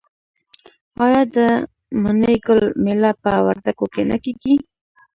آیا د مڼې ګل میله په وردګو کې نه کیږي؟